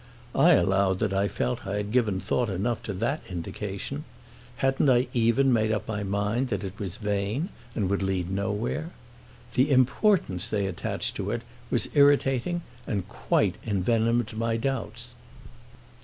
I allowed that I felt I had given thought enough to that indication: hadn't I even made up my mind that it was vain and would lead nowhere? The importance they attached to it was irritating and quite envenomed my doubts.